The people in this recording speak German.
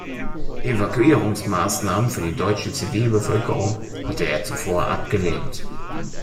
Evakuierungsmaßnahmen für die deutsche Zivilbevölkerung hatte er zuvor abgelehnt.